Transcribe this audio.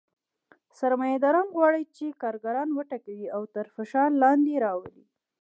سرمایه داران غواړي چې کارګران وټکوي او تر فشار لاندې راولي